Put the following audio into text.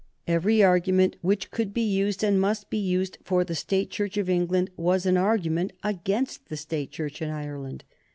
Every argument which could be used, and must be used, for the State Church of England was an argument against the State Church in Ireland.